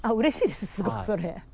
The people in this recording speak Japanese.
すごくそれ。